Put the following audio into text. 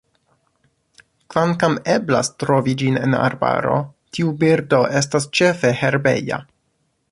Kvankam eblas trovi ĝin en arbaro, tiu birdo estas ĉefe herbeja.